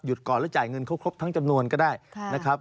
ก่อนแล้วจ่ายเงินเขาครบทั้งจำนวนก็ได้นะครับ